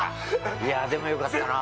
いや、でも、よかったなあ。